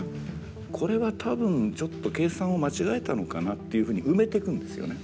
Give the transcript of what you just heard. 「これは多分ちょっと計算を間違えたのかな」っていうふうに埋めてくんですよね。